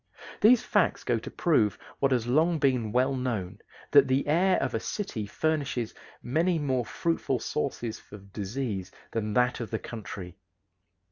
These facts go to prove what has long been well known, that the air of a city furnishes many more fruitful sources for disease than that of the country.